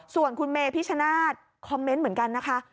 ส่วนคุณเมพิชชนาธิ์คอมเมนต์เหมือนกันนะคะ